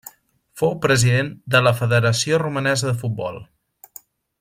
Fou president de la Federació Romanesa de Futbol.